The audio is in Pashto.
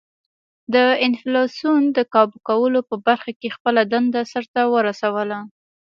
د انفلاسیون د کابو کولو په برخه کې خپله دنده سر ته ورسوله.